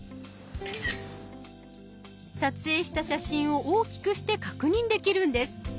撮影した写真を大きくして確認できるんです。